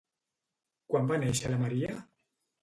Quan va néixer la Maria?